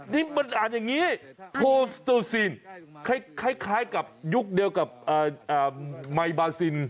นี่มันอ่านอย่างนี้โพสโตซีนคล้ายกับยุคเดียวกับไมบาซิน